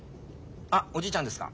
あっおじいちゃんですか？